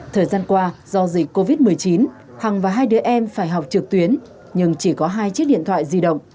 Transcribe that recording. thời gian qua do dịch covid một mươi chín hằng và hai đứa em phải học trực tuyến nhưng chỉ có hai chiếc điện thoại di động